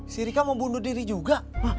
si rika mau bunuh diri juga